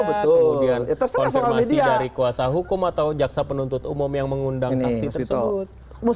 kemudian konfirmasi dari kuasa hukum atau jaksa penuntut umum yang mengundang saksi tersebut